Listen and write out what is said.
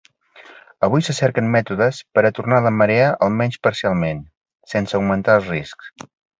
Avui se cerquen mètodes per a tornar la marea almenys parcialment, sense augmentar els riscs.